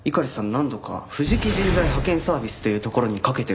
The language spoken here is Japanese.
何度か藤木人材派遣サービスというところにかけてるんです。